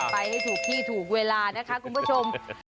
ไปให้ถูกที่ถูกเวลานะคะคุณผู้ชม